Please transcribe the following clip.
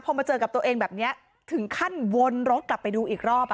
พอมาเจอกับตัวเองแบบนี้ถึงขั้นวนรถกลับไปดูอีกรอบ